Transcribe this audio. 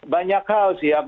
banyak hal sih